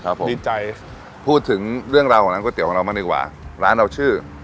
ดีใจพูดถึงเรื่องราวของร้านก๋วเตี๋ของเราบ้างดีกว่าร้านเราชื่อ